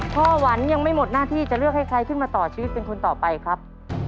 หวันยังไม่หมดหน้าที่จะเลือกให้ใครขึ้นมาต่อชีวิตเป็นคนต่อไปครับ